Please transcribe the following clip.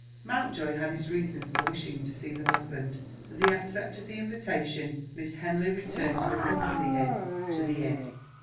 Mountjoy had his reasons for wishing to see the husband. As he accepted the invitation, Miss Henley returned to accompany him to the inn.